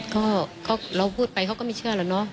ก็เราพูดไปเขาก็ไม่เชื่อแล้วเนาะ